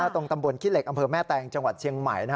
ตรงตำบลขี้เหล็กอำเภอแม่แตงจังหวัดเชียงใหม่